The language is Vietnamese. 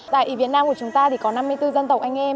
tại việt nam của chúng ta thì có năm mươi bốn dân tộc anh em